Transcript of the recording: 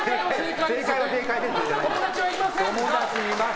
正解は正解です。